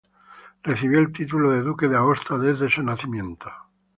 Recibió el título de duque de Aosta desde su nacimiento.